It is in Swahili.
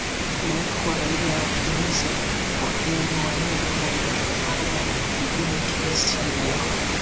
maelfu wa raia wa tunisia wakiwemo walimu wameandamana jijini tunis hii leo